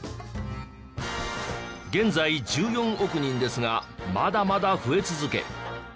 現在１４億人ですがまだまだ増え続け